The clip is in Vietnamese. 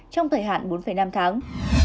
trong thời hạn bốn năm tháng